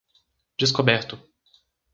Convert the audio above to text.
Descoberto